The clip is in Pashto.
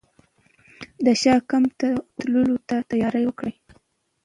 د شاه کمپ ته ورتللو ته تیاري وکړي.